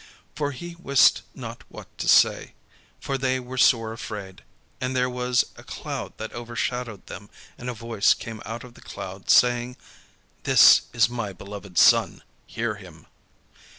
For he wist not what to say; for they were sore afraid. And there was a cloud that overshadowed them: and a voice came out of the cloud, saying: "This is my beloved Son: hear him."